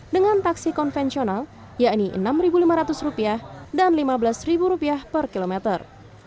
dengan taksi konvensional yakni rp enam lima ratus dan rp lima belas per kilometer